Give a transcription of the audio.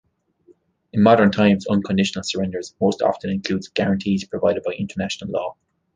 In modern times, unconditional surrenders most often include guarantees provided by international law.